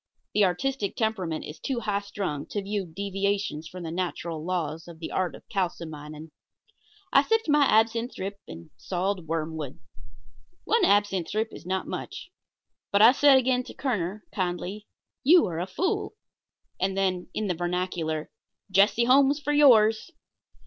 The artistic temperament is too high strung to view such deviations from the natural laws of the art of kalsomining. I sipped my absinthe drip and sawed wormwood. One absinthe drip is not much but I said again to Kerner, kindly: "You are a fool." And then, in the vernacular: "Jesse Holmes for yours."